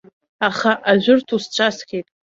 Аха ажәырҭ усцәасхьеит.